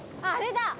あれだ！